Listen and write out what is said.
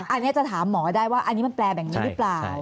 อันนี้จะถามหมอได้ว่าอันนี้มันแปลแบบนี้หรือเปล่า